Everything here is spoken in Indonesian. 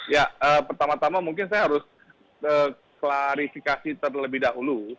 ya pertama tama mungkin saya harus klarifikasi terlebih dahulu